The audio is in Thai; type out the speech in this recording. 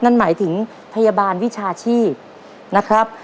นั่นหมายถึงพยาบาลวิชาชีพนะครับ